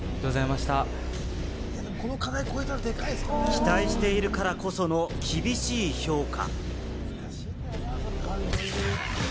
期待しているからこその厳しい評価。